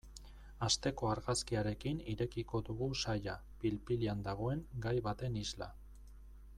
Asteko argazkiarekin irekiko dugu saila, pil-pilean dagoen gai baten isla.